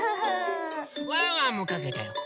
ワンワンもかけたよ。